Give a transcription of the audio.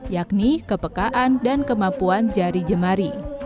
yakni kepekaan dan kemampuan jari jemari